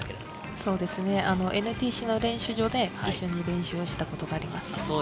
そうですね、練習場で一緒に練習したことがあります。